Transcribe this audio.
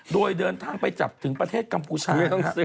โดยเดินทางไปจับถึงประเทศกัมพูชา